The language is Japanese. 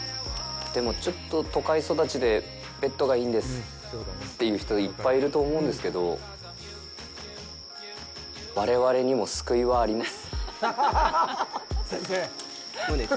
でも、ちょっと都会育ちでベットがいいんですっていう人、いっぱいいると思うんですけど、我々にも救いはあります。